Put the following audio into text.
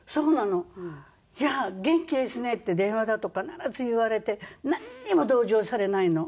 「いやあ元気ですね」って電話だと必ず言われてなんにも同情されないの。